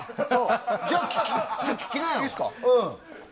じゃあ聴きなよ。